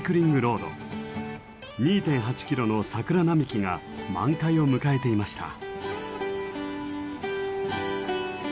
２．８キロの桜並木が満開を迎えていました。